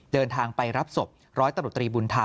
เดินทางไปรับศพร้อยตำรวจตรีบุญธรรม